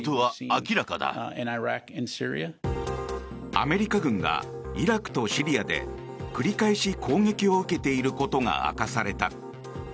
アメリカ軍がイラクとシリアで繰り返し攻撃を受けていることが明かされた。